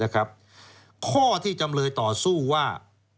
ข้อที่จำเลยต่อสู้ว่า